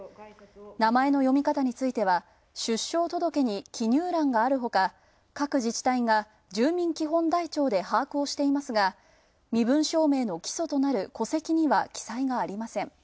名前の読み方については、出生届に記入欄があるほか各自治体が住民基本台帳で把握をしていますが身分証明の基礎となる戸籍には記載がありません。